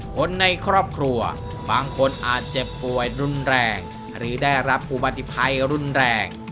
คนในครอบครัวบางคนอาจเจ็บป่วยรุนแรงหรือได้รับอุบัติภัยรุนแรง